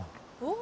お！